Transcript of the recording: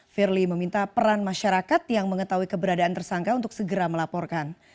firly meminta peran masyarakat yang mengetahui keberadaan tersangka untuk segera melaporkan